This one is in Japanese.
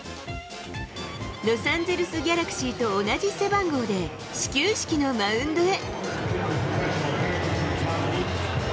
ロサンゼルス・ギャラクシーと同じ背番号で始球式のマウンドへ。